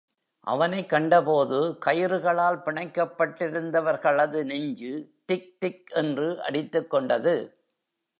அவனைக் கண்டபோது கயிறுகளால் பிணைக்கப்பட்டிருந்தவர்களது நெஞ்சு திக் திக் என்று அடித்துக்கொண்டது.